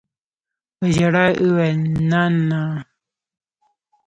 په ژړا يې وويل نانىه.